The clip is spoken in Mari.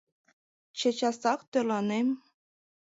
— Чечасак тӧрланем».